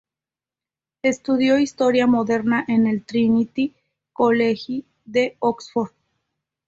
Estudió historia moderna en el Trinity College de Oxford.